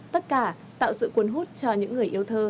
tất cả tạo sự cuốn hút cho những người yêu thơ